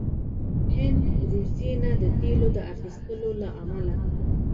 هند روسيې نه د تیلو د اخیستلو له امله